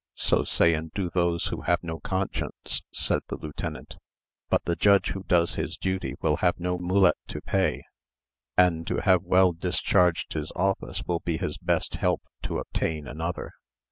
"So say and do those who have no conscience," said the lieutenant; "but the judge who does his duty will have no mulet to pay; and to have well discharged his office, will be his best help to obtain another."